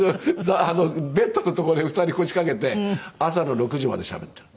ベッドの所に２人腰掛けて朝の６時までしゃべってるの。